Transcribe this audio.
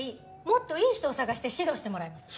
もっといい人を探して指導してもらいます。